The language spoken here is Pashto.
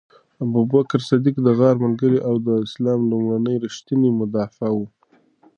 ابوبکر صدیق د غار ملګری او د اسلام لومړنی ریښتینی مدافع و.